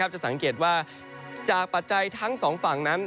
จะสังเกตว่าจากปัจจัยทั้งสองฝั่งนั้น